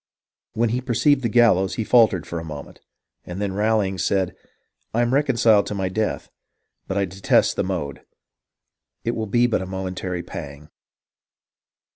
When he perceived the gallows he faltered for a moment, and then rallying, said, " I am reconciled to my death, but I detest the mode. It will be but a momentary pang."